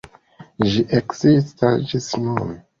Ĝi ekzistas ĝis nun.